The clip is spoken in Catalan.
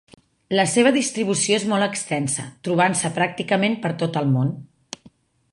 La seva distribució és molt extensa, trobant-se pràcticament per tot el món.